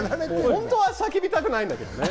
本当は叫びたくないんだけどね。